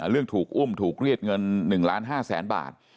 เรื่องถูกอุ้มถูกเรียดเงิน๑๕๐๐๐๐๐บาท